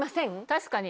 確かに。